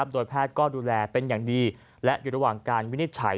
โดยแพทย์ก็ดูแลเป็นอย่างดีและอยู่ระหว่างการวินิจฉัย